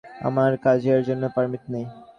আমার কাছে এরজন্য পারমিট নেই।